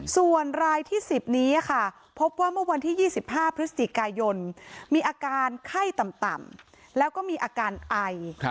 ส่วนรายที่๑๐นี้ค่ะพบว่าเมื่อวันที่๒๕พฤศจิกายนมีอาการไข้ต่ำแล้วก็มีอาการไอ